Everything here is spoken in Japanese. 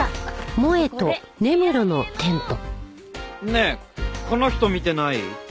ねえこの人見てない？